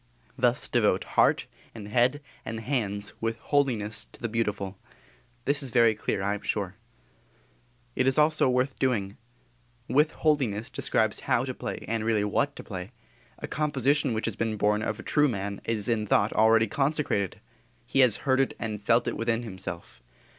_ Thus devote heart and head and hands with holiness to the beautiful. This is very clear, I am sure. It is also worth doing. "With holiness" describes how to play and really what to play. A composition which has been born of a true man is in thought already consecrated. He has heard it and felt it within himself.